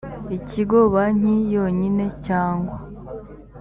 ikigo banki yonyine cyangwa